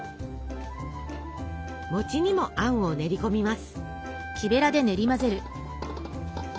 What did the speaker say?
にもあんを練り込みます。